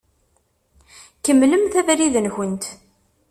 Kemmlemt abrid-nkent.